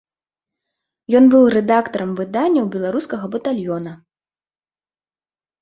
Ён быў рэдактарам выданняў беларускага батальёна.